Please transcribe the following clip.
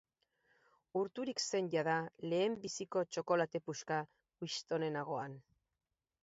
Urturik zen jada lehenbiziko txokolate puska Winstonen ahoan.